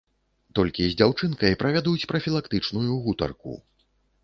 Толькі з дзяўчынкай правядуць прафілактычную гутарку.